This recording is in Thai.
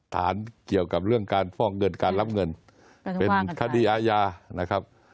ฐานเกี่ยวกับเรื่องการฟอกเงินการรับเงินเป็นคดีอาญานะครับ